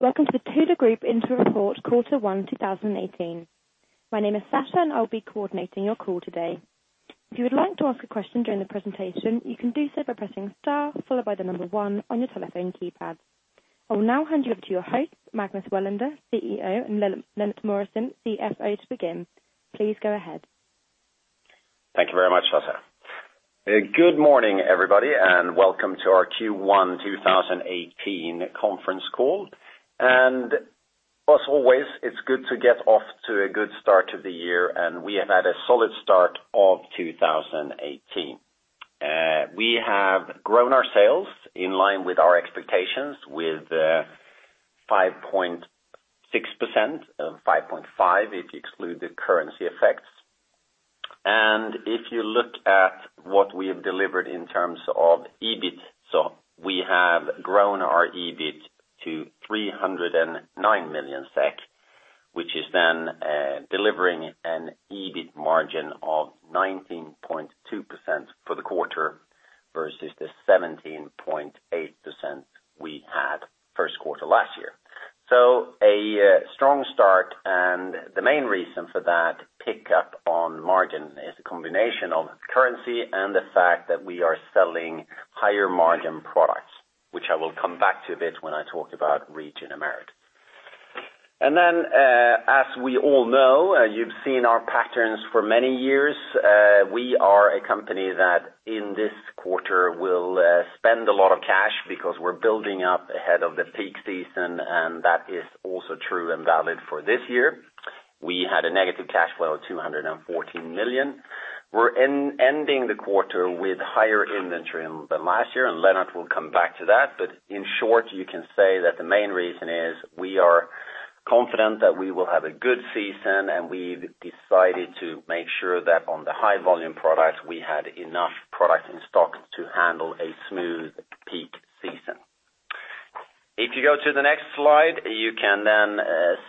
Welcome to the Thule Group interim report quarter one 2018. My name is Sasha and I will be coordinating your call today. If you would like to ask a question during the presentation, you can do so by pressing star followed by the number one on your telephone keypad. I will now hand you over to your host, Magnus Welander, CEO, and Lennart Mauritzson, CFO to begin. Please go ahead. Thank you very much, Sasha. Good morning, everybody, and welcome to our Q1 2018 conference call. As always, it is good to get off to a good start to the year. We have had a solid start of 2018. We have grown our sales in line with our expectations with 5.6%, 5.5% if you exclude the currency effects. If you look at what we have delivered in terms of EBIT. We have grown our EBIT to 309 million SEK, which is then delivering an EBIT margin of 19.2% for the quarter versus the 17.8% we had first quarter last year. A strong start and the main reason for that pickup on margin is a combination of currency and the fact that we are selling higher margin products, which I will come back to a bit when I talk about Region Americas. Then, as we all know, you've seen our patterns for many years. We are a company that in this quarter will spend a lot of cash because we're building up ahead of the peak season. That is also true and valid for this year. We had a negative cash flow of 214 million. We're ending the quarter with higher inventory than last year, and Lennart will come back to that. In short, you can say that the main reason is we are confident that we will have a good season, and we've decided to make sure that on the high volume products, we had enough product in stock to handle a smooth peak season. If you go to the next slide, you can then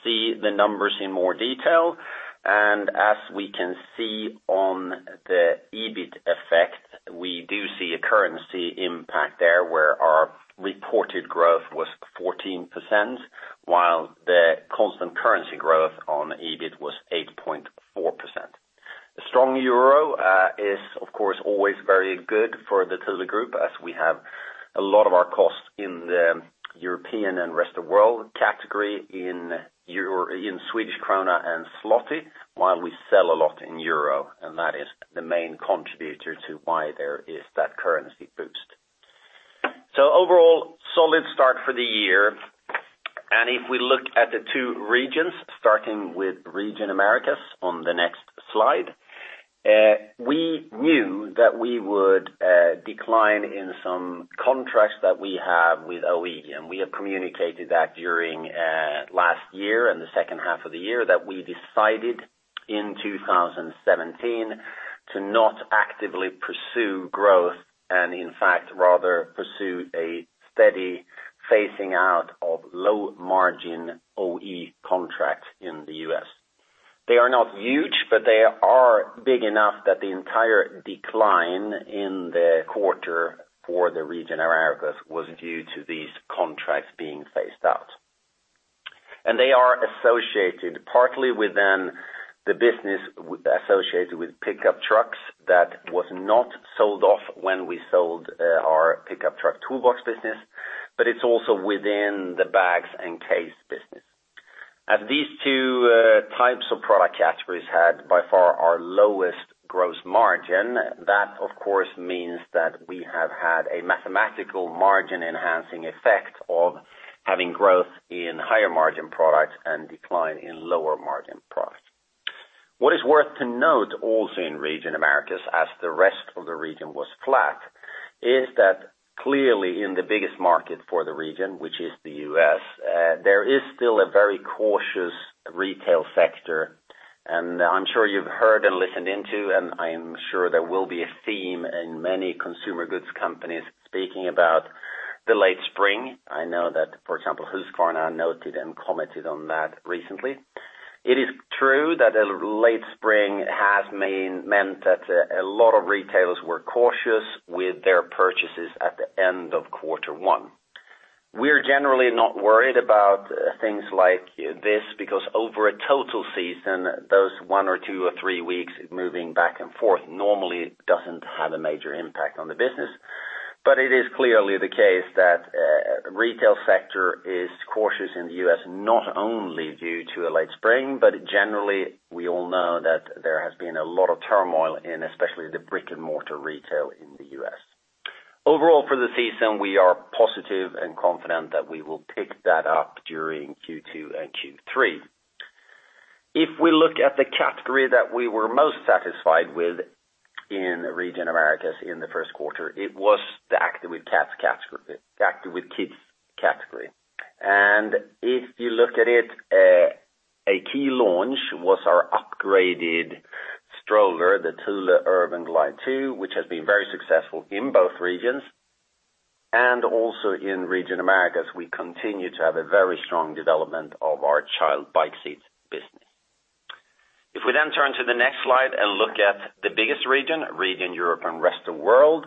see the numbers in more detail. As we can see on the EBIT effect, we do see a currency impact there where our reported growth was 14%, while the constant currency growth on EBIT was 8.4%. A strong EUR is, of course, always very good for the Thule Group as we have a lot of our costs in the European and Rest of World category in Swedish krona and zloty, while we sell a lot in EUR. That is the main contributor to why there is that currency boost. Overall, solid start for the year. If we look at the two regions, starting with Region Americas on the next slide. We knew that we would decline in some contracts that we have with OE. We have communicated that during last year and the second half of the year that we decided in 2017 to not actively pursue growth and in fact, rather pursue a steady phasing out of low margin OE contracts in the U.S. They are not huge, but they are big enough that the entire decline in the quarter for the Region Americas was due to these contracts being phased out. They are associated partly within the business associated with pickup trucks that was not sold off when we sold our pickup truck toolbox business, but it's also within the bags and case business. These two types of product categories had by far our lowest gross margin, that of course, means that we have had a mathematical margin enhancing effect of having growth in higher margin products and decline in lower margin products. What is worth to note also in Region Americas, as the rest of the region was flat, is that clearly in the biggest market for the region, which is the U.S., there is still a very cautious retail sector. I'm sure you've heard and listened into, I am sure there will be a theme in many consumer goods companies speaking about the late spring. I know that, for example, Husqvarna noted and commented on that recently. It is true that a late spring has meant that a lot of retailers were cautious with their purchases at the end of quarter one. We're generally not worried about things like this because over a total season, those one or two or three weeks moving back and forth normally doesn't have a major impact on the business. It is clearly the case that retail sector is cautious in the U.S., not only due to a late spring, but generally, we all know that there has been a lot of turmoil in especially the brick and mortar retail in the U.S. Overall for the season, we are positive and confident that we will pick that up during Q2 and Q3. If we look at the category that we were most satisfied with in Region Americas in the first quarter, it was the Active with Kids category. If you look at it, a key launch was our upgraded stroller, the Thule Urban Glide 2, which has been very successful in both regions and also in Region Americas we continue to have a very strong development of our child bike seats business. We then turn to the next slide and look at the biggest region, Region Europe and Rest of World,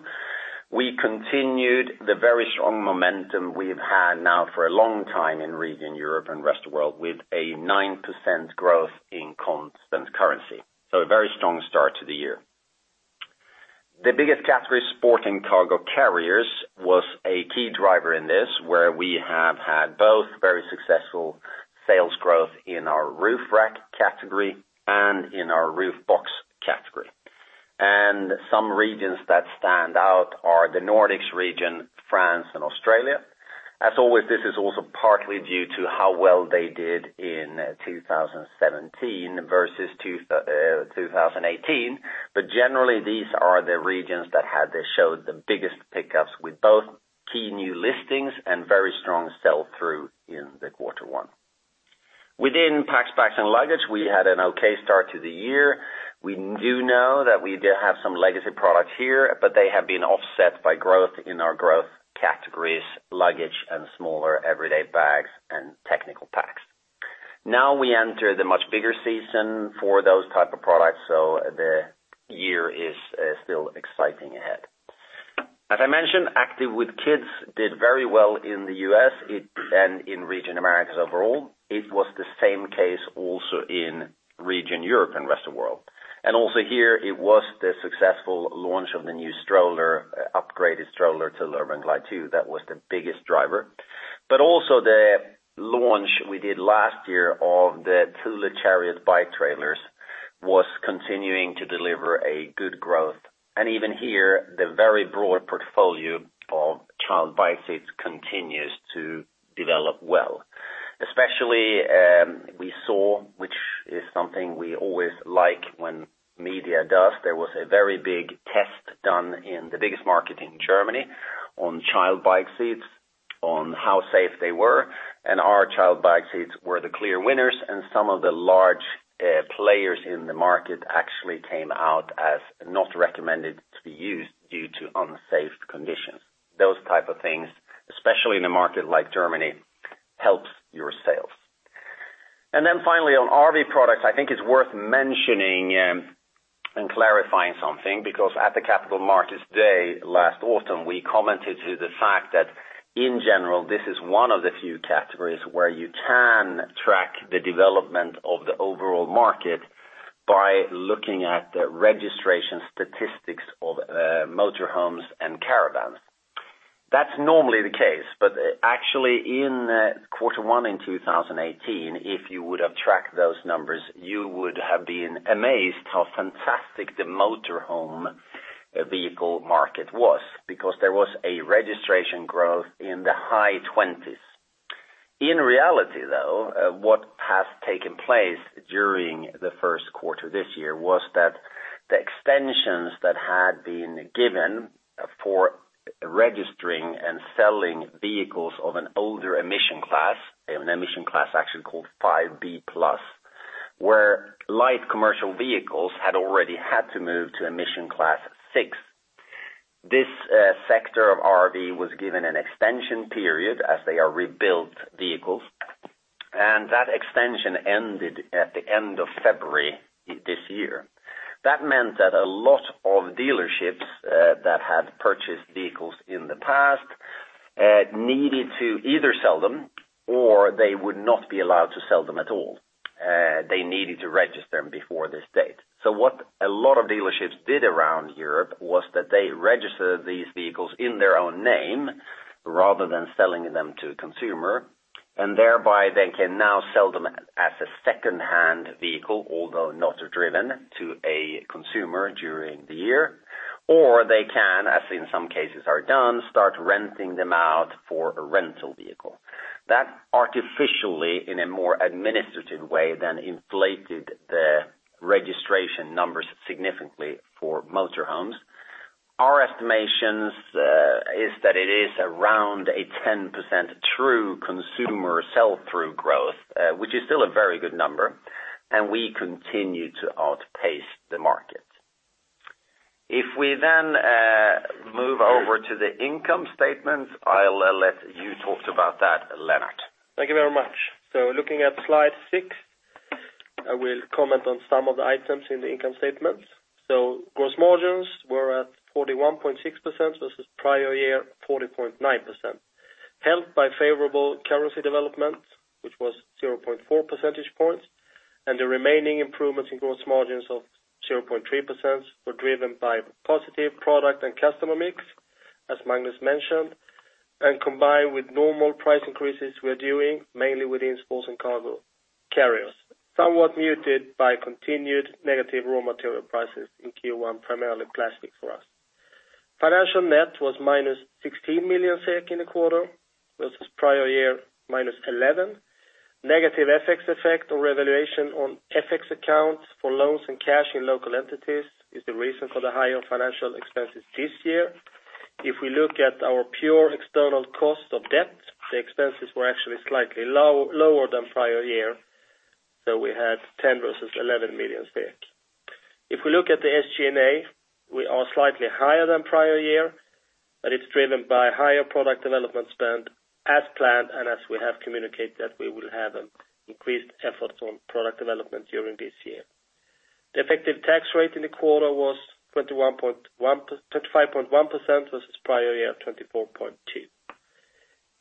we continued the very strong momentum we've had now for a long time in Region Europe and Rest of World with a 9% growth in constant currency. A very strong start to the year. The biggest category, Sport&Cargo Carriers, was a key driver in this, where we have had both very successful sales growth in our roof rack category and in our roof box category. Some regions that stand out are the Nordics region, France, and Australia. As always, this is also partly due to how well they did in 2017 versus 2018. Generally, these are the regions that showed the biggest pickups with both key new listings and very strong sell-through in the quarter one. Within Packs, Bags & Luggage, we had an okay start to the year. We do know that we have some legacy products here, but they have been offset by growth in our growth categories, luggage and smaller everyday bags and technical packs. Now we enter the much bigger season for those type of products, so the year is still exciting ahead. As I mentioned, Active with Kids did very well in the U.S. and in Region Americas overall. It was the same case also in Region Europe & ROW. Also here it was the successful launch of the new upgraded stroller Thule Urban Glide 2 that was the biggest driver. Also the launch we did last year of the Thule Chariot bike trailers was continuing to deliver a good growth. Even here, the very broad portfolio of child bike seats continues to develop well. Especially, we saw, which is something we always like when media does, there was a very big test done in the biggest market in Germany on child bike seats, on how safe they were, and our child bike seats were the clear winners, and some of the large players in the market actually came out as not recommended to be used due to unsafe conditions. Those type of things, especially in a market like Germany, helps your sales. Finally on RV Products, I think it's worth mentioning and clarifying something, because at the Capital Markets Day last autumn, we commented to the fact that in general, this is one of the few categories where you can track the development of the overall market by looking at the registration statistics of motor homes and caravans. That's normally the case, but actually in quarter one in 2018, if you would have tracked those numbers, you would have been amazed how fantastic the motor home vehicle market was because there was a registration growth in the high 20s. In reality, though, what has taken place during the first quarter this year was that the extensions that had been given for registering and selling vehicles of an older emission class, an emission class actually called 5B+, where light commercial vehicles had already had to move to emission class 6. This sector of RV was given an extension period as they are rebuilt vehicles, that extension ended at the end of February this year. That meant that a lot of dealerships that had purchased vehicles in the past needed to either sell them or they would not be allowed to sell them at all. They needed to register them before this date. What a lot of dealerships did around Europe was that they registered these vehicles in their own name rather than selling them to a consumer, thereby they can now sell them as a secondhand vehicle, although not driven to a consumer during the year, or they can, as in some cases are done, start renting them out for a rental vehicle. That artificially, in a more administrative way than inflated the registration numbers significantly for motor homes. Our estimations is that it is around a 10% true consumer sell-through growth, which is still a very good number, and we continue to outpace the market. If we move over to the income statement, I'll let you talk about that, Lennart. Thank you very much. Looking at slide six, I will comment on some of the items in the income statement. Gross margins were at 41.6% versus prior year 40.9%, helped by favorable currency development, which was 0.4 percentage points, and the remaining improvements in gross margins of 0.3% were driven by positive product and customer mix, as Magnus mentioned. Combined with normal price increases we are doing mainly within Sport&Cargo Carriers, somewhat muted by continued negative raw material prices in Q1, primarily plastic for us. Financial net was -16 million SEK in the quarter versus prior year, -11 million SEK. Negative FX effect or revaluation on FX accounts for loans and cash in local entities is the reason for the higher financial expenses this year. If we look at our pure external cost of debt, the expenses were actually slightly lower than prior year. We had 10 versus 11 million SEK. If we look at the SG&A, we are slightly higher than prior year, but it's driven by higher product development spend as planned and as we have communicated, that we will have increased efforts on product development during this year. The effective tax rate in the quarter was 25.1% versus prior year, 24.2%.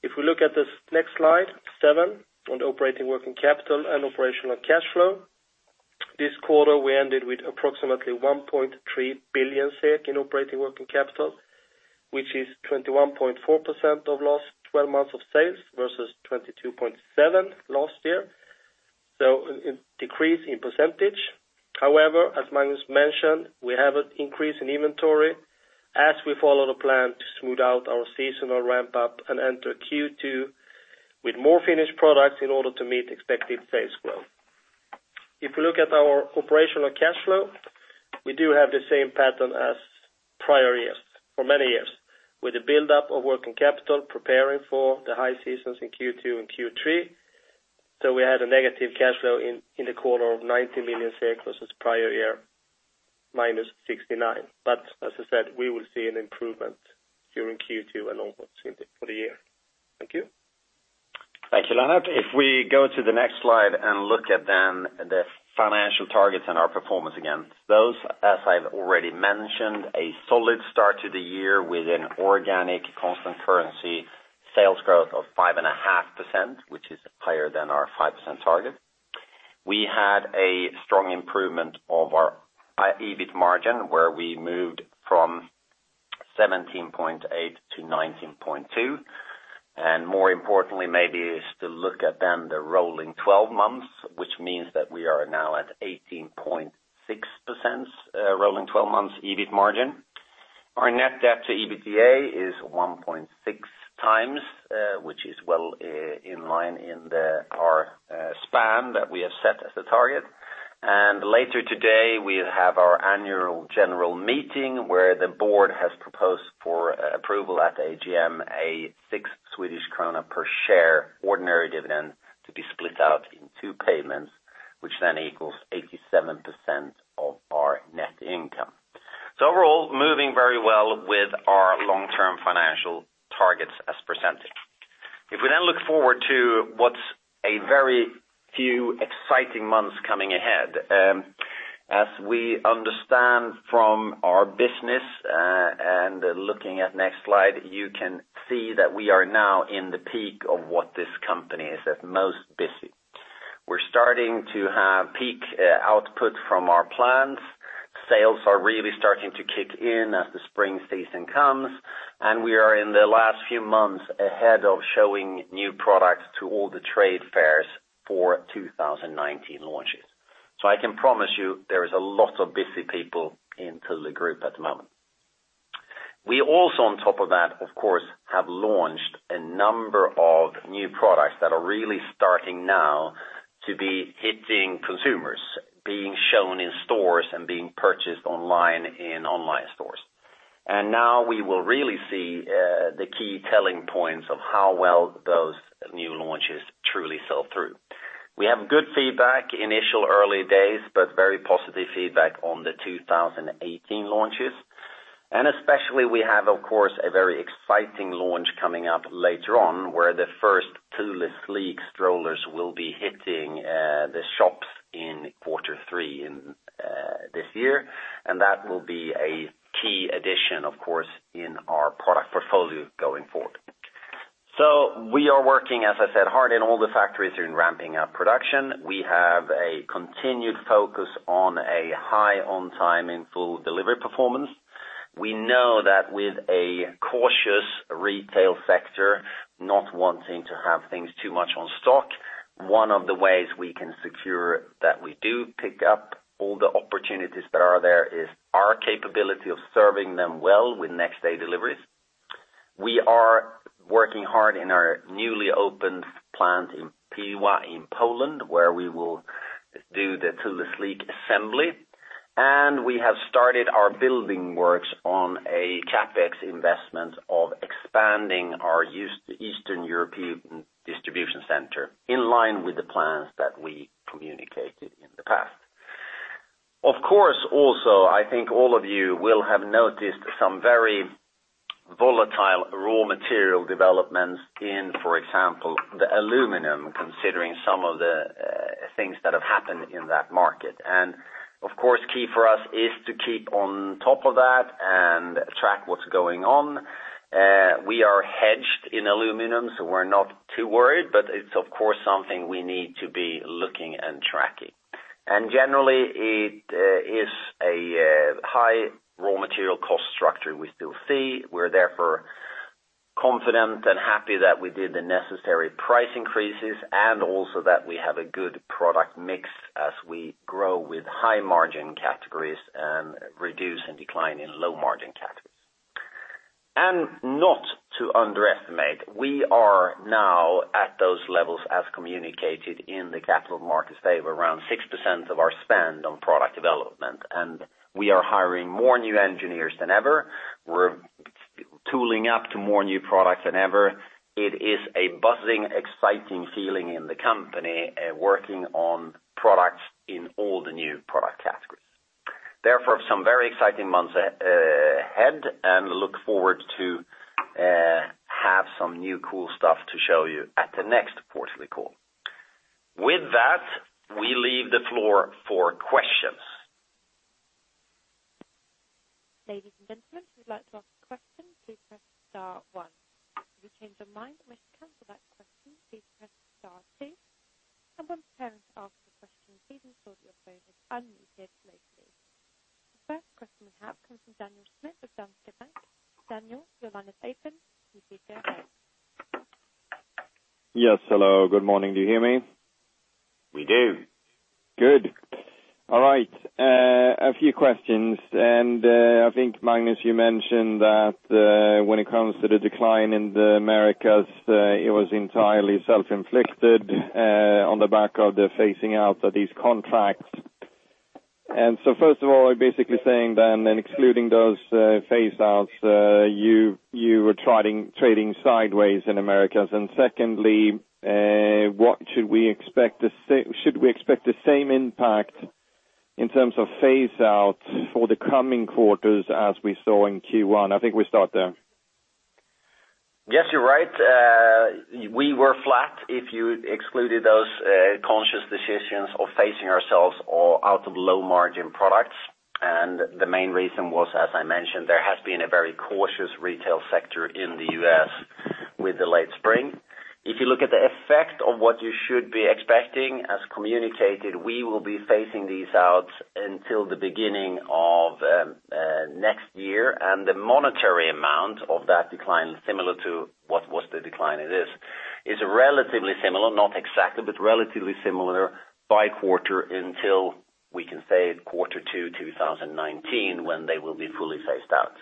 If we look at this next slide, seven, on operating working capital and operational cash flow. This quarter, we ended with approximately 1.3 billion SEK in operating working capital, which is 21.4% of last 12 months of sales versus 22.7% last year. A decrease in percentage. However, as Magnus mentioned, we have an increase in inventory as we follow the plan to smooth out our seasonal ramp-up and enter Q2 with more finished products in order to meet expected sales growth. If you look at our operational cash flow, we do have the same pattern as prior years, for many years, with the buildup of working capital preparing for the high seasons in Q2 and Q3. We had a negative cash flow in the quarter of 90 million SEK versus prior year, minus 69 million SEK. As I said, we will see an improvement during Q2 and onwards for the year. Thank you. Thank you, Lennart. If we go to the next slide and look at then the financial targets and our performance, again. Those, as I've already mentioned, a solid start to the year with an organic constant currency sales growth of 5.5%, which is higher than our 5% target. We had a strong improvement of our EBIT margin, where we moved from 17.8% to 19.2%, and more importantly maybe is to look at then the rolling 12 months, which means that we are now at 18.6% rolling 12 months EBIT margin. Our net debt to EBITDA is 1.6 times, which is well in line in our span that we have set as the target. Later today, we'll have our annual general meeting where the board has proposed for approval at AGM, a 6 Swedish krona per share ordinary dividend to be split out in two payments, which then equals 87% of our net income. Overall, moving very well with our long-term financial targets as presented. If we then look forward to what's a very few exciting months coming ahead. As we understand from our business, and looking at next slide, you can see that we are now in the peak of what this company is at most busy. We're starting to have peak output from our plants. Sales are really starting to kick in as the spring season comes, and we are in the last few months ahead of showing new products to all the trade fairs for 2019 launches. I can promise you, there is a lot of busy people in Thule Group at the moment. We also on top of that, of course, have launched a number of new products that are really starting now to be hitting consumers, being shown in stores and being purchased online in online stores. Now we will really see the key telling points of how well those new launches truly sell through. We have good feedback, initial early days, but very positive feedback on the 2018 launches. Especially we have, of course, a very exciting launch coming up later on where the first Thule Sleek strollers will be hitting the shops in Q3 in this year. That will be a key addition, of course, in our product portfolio going forward. We are working, as I said, hard in all the factories in ramping up production. We have a continued focus on a high on-time in full delivery performance. We know that with a cautious retail sector not wanting to have things too much on stock, one of the ways we can secure that we do pick up all the opportunities that are there is our capability of serving them well with next day deliveries. We are working hard in our newly opened plant in Piła in Poland, where we will do the Thule Sleek assembly. We have started our building works on a CapEx investment of expanding our Eastern European distribution center in line with the plans that we communicated in the past. Of course, also, I think all of you will have noticed some very volatile raw material developments in, for example, the aluminum, considering some of the things that have happened in that market. Of course, key for us is to keep on top of that and track what's going on. We are hedged in aluminum, we're not too worried, but it's, of course, something we need to be looking and tracking. Generally it is a high raw material cost structure we still see. We're therefore confident and happy that we did the necessary price increases and also that we have a good product mix as we grow with high margin categories and reduce and decline in low margin categories. Not to underestimate, we are now at those levels as communicated in the Capital Markets Day of around 6% of our spend on product development, and we are hiring more new engineers than ever. We're tooling up to more new products than ever. It is a buzzing, exciting feeling in the company, working on products in all the new product categories. Therefore, some very exciting months ahead, and look forward to have some new cool stuff to show you at the next quarterly call. With that, we leave the floor for questions. Ladies and gentlemen, if you'd like to ask a question, please press star 1. If you change your mind and wish to cancel that question, please press star 2. When preparing to ask the question, please ensure that your phone is unmuted locally. The first question we have comes from Daniel Schmidt of Danske Bank. Daniel, your line is open. You can go ahead. Yes, hello. Good morning. Do you hear me? We do. Good. All right, a few questions. I think, Magnus, you mentioned that when it comes to the decline in the Americas, it was entirely self-inflicted on the back of the phasing out of these contracts. So first of all, basically saying then, excluding those phase outs, you were trading sideways in Americas. Secondly, should we expect the same impact in terms of phase out for the coming quarters as we saw in Q1? I think we start there. Yes, you're right. We were flat if you excluded those conscious decisions of phasing ourselves out of low-margin products. The main reason was, as I mentioned, there has been a very cautious retail sector in the U.S. with the late spring. If you look at the effect of what you should be expecting, as communicated, we will be phasing these out until the beginning of next year. The monetary amount of that decline, similar to what was the decline it is relatively similar, not exactly, but relatively similar by quarter until, we can say quarter two 2019, when they will be fully phased out.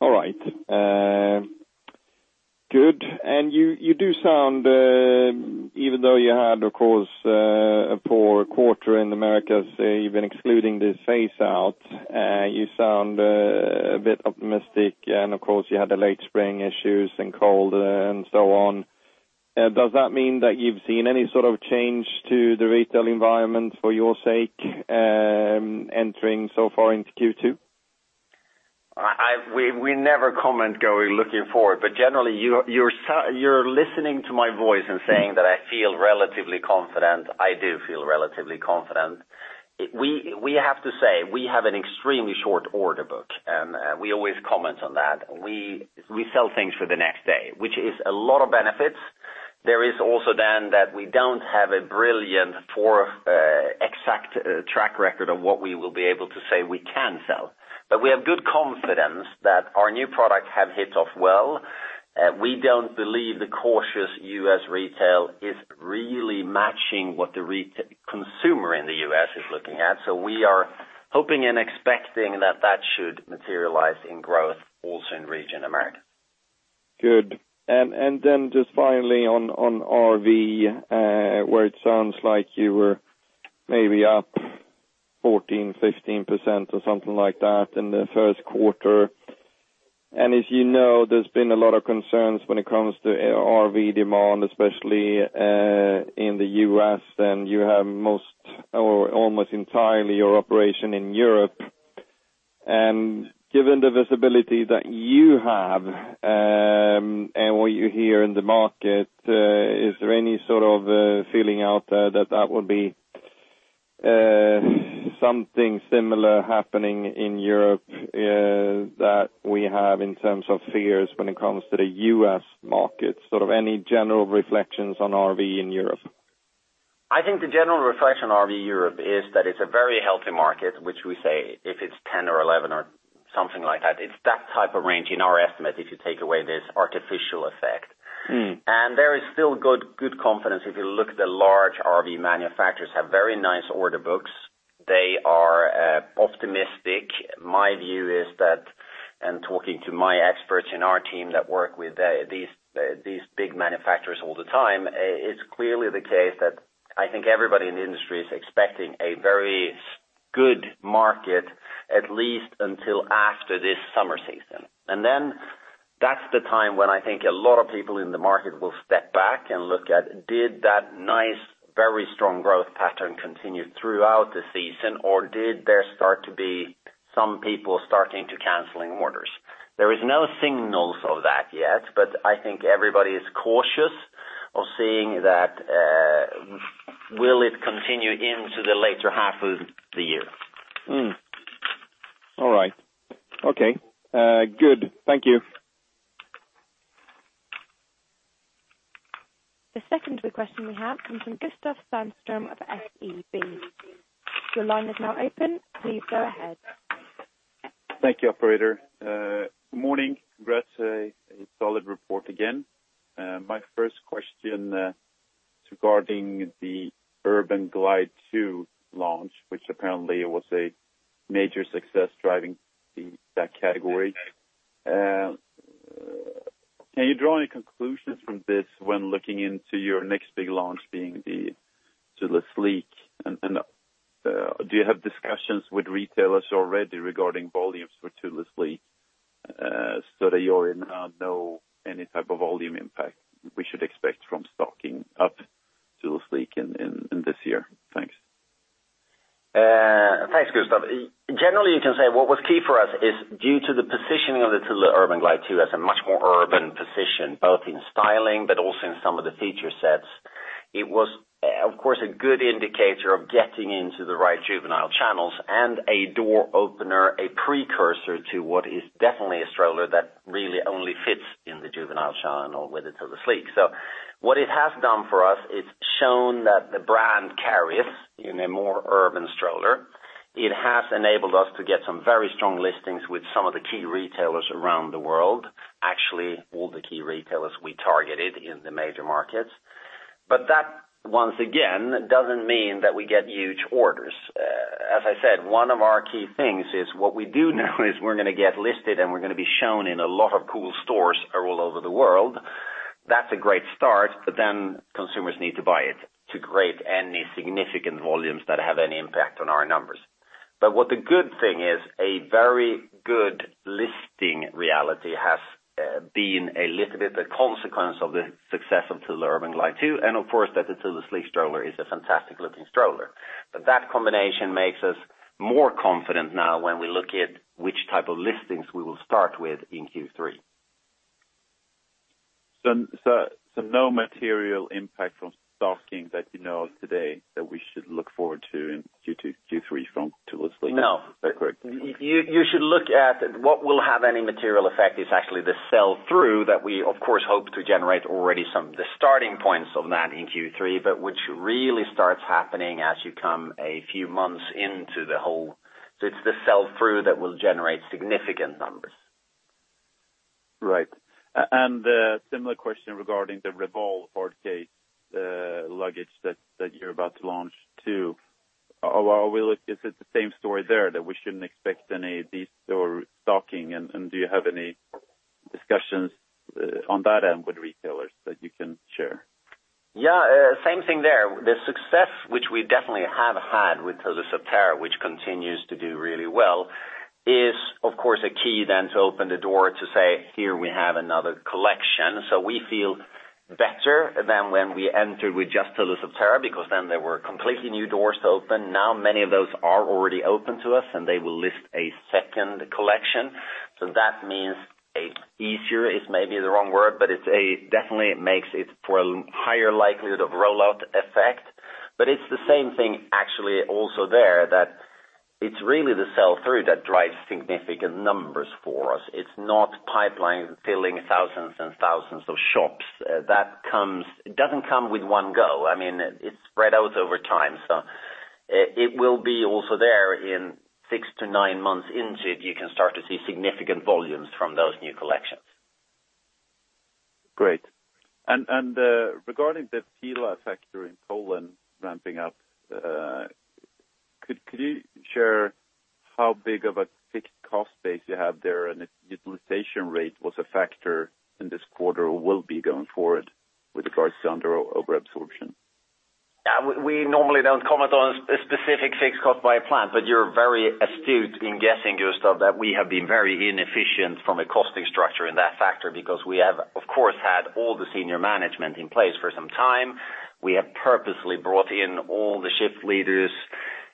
All right. Good. You do sound, even though you had, of course, a poor quarter in the Americas, even excluding this phase out, you sound a bit optimistic. Of course, you had the late spring issues and cold and so on. Does that mean that you've seen any sort of change to the retail environment for your sake, entering so far into Q2? We never comment going looking forward, but generally, you're listening to my voice and saying that I feel relatively confident. I do feel relatively confident. We have to say, we have an extremely short order book, and we always comment on that. We sell things for the next day, which is a lot of benefits. There is also that we don't have a brilliant track record of what we will be able to say we can sell. We have good confidence that our new products have hit off well. We don't believe the cautious U.S. retail is really matching what the consumer in the U.S. is looking at. We are hoping and expecting that that should materialize in growth also in Region Americas. Good. Just finally on RV, where it sounds like you were maybe up 14%, 15% or something like that in the first quarter. As you know, there's been a lot of concerns when it comes to RV demand, especially in the U.S., and you have almost entirely your operation in Europe. Given the visibility that you have, and what you hear in the market, is there any sort of feeling out there that that would be something similar happening in Europe, that we have in terms of fears when it comes to the U.S. market? Sort of any general reflections on RV in Europe? I think the general reflection on RV Europe is that it's a very healthy market, which we say if it's 10 or 11 or something like that, it's that type of range in our estimate if you take away this artificial effect. There is still good confidence. If you look, the large RV manufacturers have very nice order books. They are optimistic. My view is that, talking to my experts in our team that work with these big manufacturers all the time, it's clearly the case that I think everybody in the industry is expecting a very good market, at least until after this summer season. That's the time when I think a lot of people in the market will step back and look at, did that nice, very strong growth pattern continue throughout the season, or did there start to be some people starting to canceling orders? There is no signals of that yet, but I think everybody is cautious of seeing that, will it continue into the later half of the year? All right. Okay. Good. Thank you. The second question we have comes from Gustav Hagéus of SEB. Your line is now open. Please go ahead. Thank you, operator. Good morning. Congrats, a solid report again. My first question regarding the Thule Urban Glide 2 launch, which apparently was a major success driving that category. Can you draw any conclusions from this when looking into your next big launch being the Thule Sleek? Do you have discussions with retailers already regarding volumes for Thule Sleek so that you know any type of volume impact we should expect from stocking up Thule Sleek in this year? Thanks. Thanks, Gustav. Generally, you can say what was key for us is due to the positioning of the Thule Urban Glide 2 as a much more urban position, both in styling but also in some of the feature sets. It was, of course, a good indicator of getting into the right juvenile channels and a door opener, a precursor to what is definitely a stroller that really only fits in the juvenile channel with the Thule Sleek. What it has done for us, it's shown that the brand carries in a more urban stroller. It has enabled us to get some very strong listings with some of the key retailers around the world. Actually, all the key retailers we targeted in the major markets. That, once again, doesn't mean that we get huge orders. As I said, one of our key things is what we do know is we're going to get listed and we're going to be shown in a lot of cool stores all over the world. That's a great start, consumers need to buy it to create any significant volumes that have any impact on our numbers. What the good thing is, a very good listing reality has been a little bit the consequence of the success of Thule Urban Glide 2, and of course, that the Thule Sleek stroller is a fantastic looking stroller. That combination makes us more confident now when we look at which type of listings we will start with in Q3. No material impact from stocking that you know of today that we should look forward to in Q2, Q3 from Thule Sleek? No. Okay, great. You should look at what will have any material effect is actually the sell-through that we of course, hope to generate already some the starting points of that in Q3, but which really starts happening as you come a few months into the whole. It's the sell-through that will generate significant numbers. Right. A similar question regarding the Thule Revolve luggage that you're about to launch, too. Is it the same story there that we shouldn't expect any store stocking and do you have any discussions on that end with retailers that you can share? Same thing there. The success, which we definitely have had with Thule Subterra, which continues to do really well, is of course a key then to open the door to say, "Here we have another collection." We feel better than when we entered with just Thule Subterra, because then there were completely new doors to open. Many of those are already open to us, and they will list a second collection. That means, easier is maybe the wrong word, but it definitely makes it for a higher likelihood of rollout effect. It's the same thing actually also there, that it's really the sell-through that drives significant numbers for us. It's not pipeline filling thousands and thousands of shops. It doesn't come with one go. It spread out over time. It will be also there in six to nine months into it, you can start to see significant volumes from those new collections. Regarding the Piła factory in Poland ramping up, could you share how big of a fixed cost base you have there? And if utilization rate was a factor in this quarter or will be going forward with regards to under or over absorption? We normally don't comment on a specific fixed cost by a plant, you're very astute in guessing, Gustav, that we have been very inefficient from a costing structure in that factory because we have, of course, had all the senior management in place for some time. We have purposely brought in all the shift leaders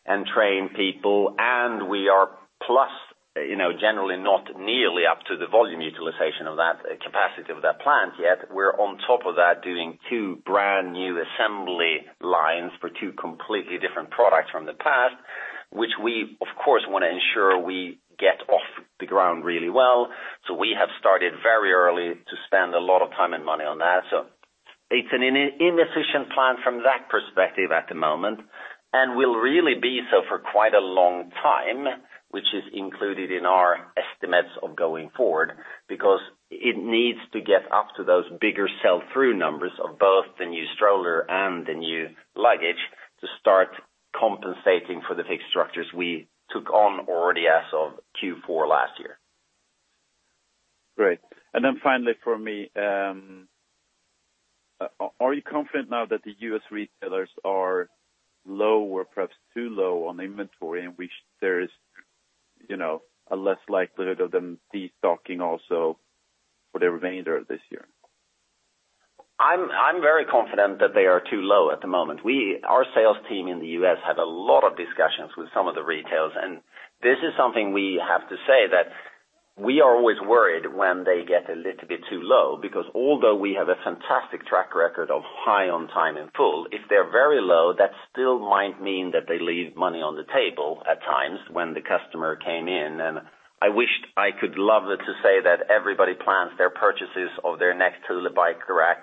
and trained people, and we are plus, generally not nearly up to the volume utilization of that capacity of that plant yet. We're on top of that doing two brand-new assembly lines for two completely different products from the past, which we, of course, want to ensure we get off the ground really well. We have started very early to spend a lot of time and money on that. It's an inefficient plan from that perspective at the moment, and will really be so for quite a long time, which is included in our estimates of going forward because it needs to get up to those bigger sell-through numbers of both the new stroller and the new luggage to start compensating for the fixed structures we took on already as of Q4 last year. Great. Finally for me, are you confident now that the U.S. retailers are low or perhaps too low on inventory in which there is a less likelihood of them de-stocking also for the remainder of this year? I'm very confident that they are too low at the moment. Our sales team in the U.S. had a lot of discussions with some of the retailers, this is something we have to say that we are always worried when they get a little bit too low, because although we have a fantastic track record of high on time and full, if they're very low, that still might mean that they leave money on the table at times when the customer came in. I wished I could love it to say that everybody plans their purchases of their next Thule bike rack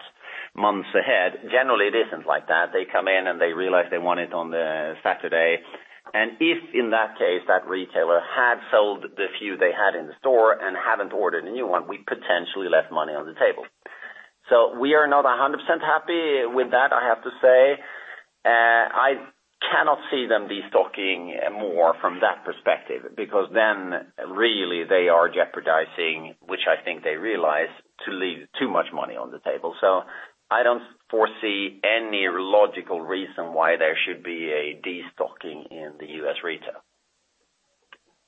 months ahead. Generally, it isn't like that. They come in and they realize they want it on the Saturday. If, in that case, that retailer had sold the few they had in the store and haven't ordered a new one, we potentially left money on the table. We are not 100% happy with that, I have to say. I cannot see them destocking more from that perspective, because then really they are jeopardizing, which I think they realize, to leave too much money on the table. I don't foresee any logical reason why there should be a destocking in the U.S. retail.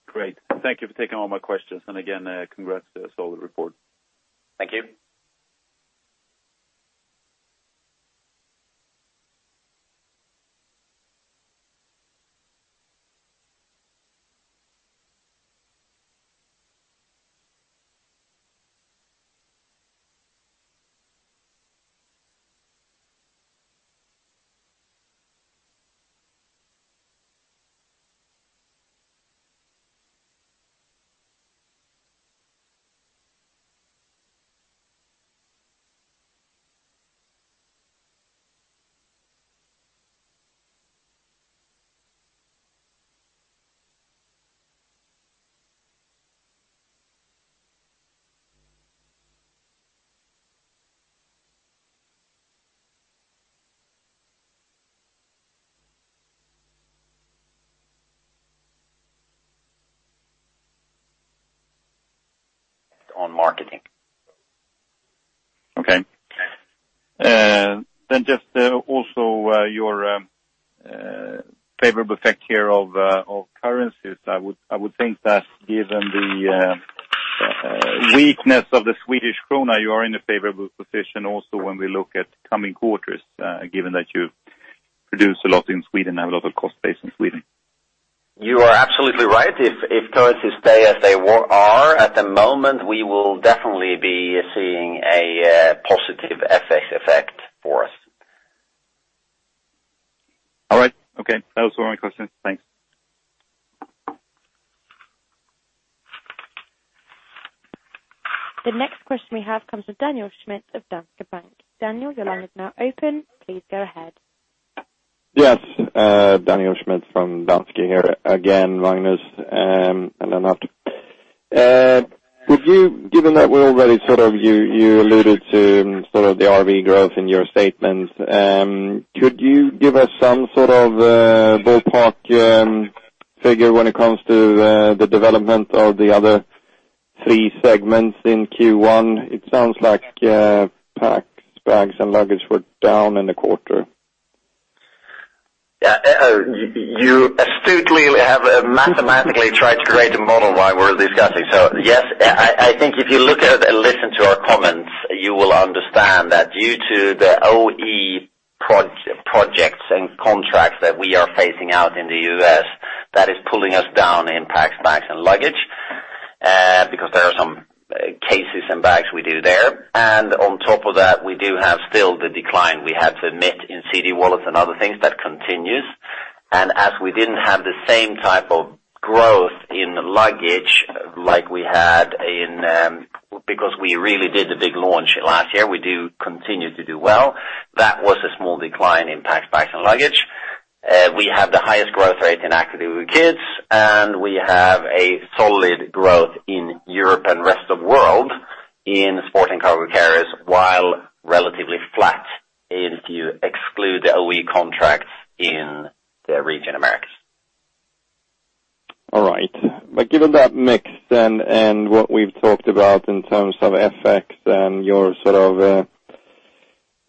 Great. Thank you for taking all my questions. Again, congrats to a solid report. Thank you. On marketing. Okay. Just also your favorable effect here of currencies. I would think that given the weakness of the Swedish krona, you are in a favorable position also when we look at coming quarters, given that you produce a lot in Sweden, have a lot of cost base in Sweden. You are absolutely right. If currencies stay as they are at the moment, we will definitely be seeing a positive FX effect for us. All right. Okay. That was all my questions. Thanks. The next question we have comes from Daniel Schmidt of Danske Bank. Daniel, your line is now open. Please go ahead. Yes. Daniel Schmidt from Danske here. Again, Magnus and Lennart. Given that you alluded to sort of the RV growth in your statement, could you give us some sort of ballpark figure when it comes to the development of the other three segments in Q1? It sounds like Packs, Bags & Luggage were down in the quarter. Yeah. You astutely have mathematically tried to create a model while we're discussing. Yes, I think if you look at and listen to our comments, you will understand that due to the OE projects and contracts that we are phasing out in the U.S., that is pulling us down in Packs, Bags & Luggage, because there are some cases and bags we do there. On top of that, we do have still the decline we had to admit in CD wallets and other things, that continues. As we didn't have the same type of growth in luggage like we had, because we really did the big launch last year, we do continue to do well. That was a small decline in Packs, Bags & Luggage. We have the highest growth rate in Active with Kids, and we have a solid growth in Europe and rest of world in Sport&Cargo Carriers, while relatively flat if you exclude the OE contracts in the Region Americas. All right. Given that mix then and what we've talked about in terms of FX and your sort of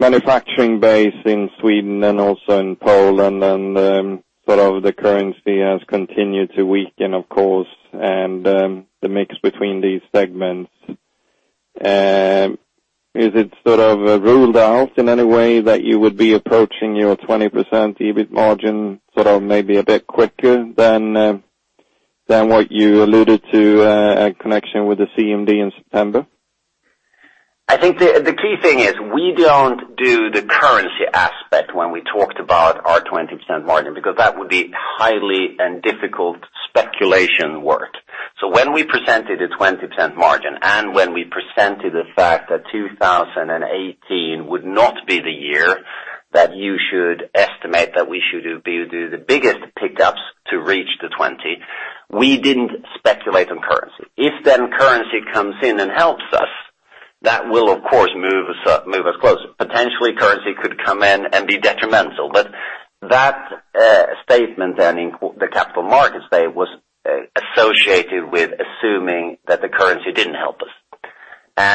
manufacturing base in Sweden and also in Poland and sort of the currency has continued to weaken, of course, and the mix between these segments. Is it sort of ruled out in any way that you would be approaching your 20% EBIT margin sort of maybe a bit quicker than what you alluded to in connection with the CMD in September? I think the key thing is we don't do the currency aspect when we talked about our 20% margin, because that would be highly and difficult speculation work. When we presented a 20% margin, and when we presented the fact that 2018 would not be the year that you should estimate that we should do the biggest pickups to reach the 20, we didn't speculate on currency. If currency comes in and helps us, that will of course move us closer. Potentially currency could come in and be detrimental. That statement in the Capital Markets Day was associated with assuming that the currency didn't help us.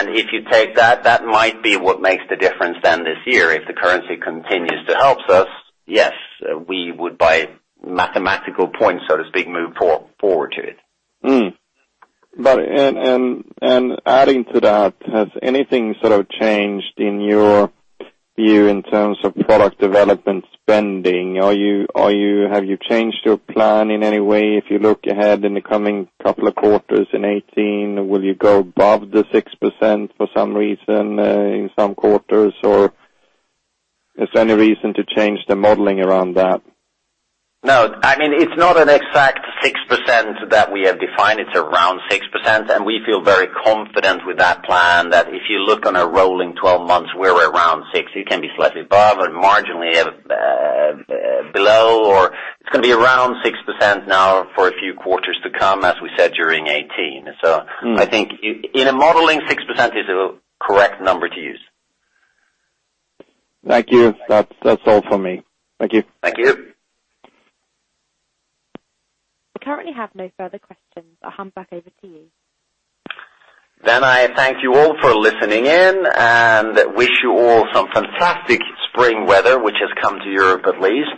If you take that might be what makes the difference this year. If the currency continues to help us, yes, we would by mathematical points, so to speak, move forward to it. Adding to that, has anything sort of changed in your view in terms of product development spending? Have you changed your plan in any way? If you look ahead in the coming couple of quarters in 2018, will you go above the 6% for some reason in some quarters? Is there any reason to change the modeling around that? No. It's not an exact 6% that we have defined. It's around 6%. We feel very confident with that plan that if you look on a rolling 12 months, we're around 6%. It can be slightly above and marginally below, or it's going to be around 6% now for a few quarters to come, as we said, during 2018. I think in a modeling, 6% is a correct number to use. Thank you. That's all for me. Thank you. Thank you. We currently have no further questions. I'll hand back over to you. I thank you all for listening in, wish you all some fantastic spring weather, which has come to Europe at least,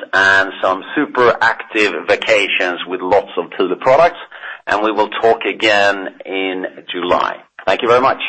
some super active vacations with lots of Thule products. We will talk again in July. Thank you very much.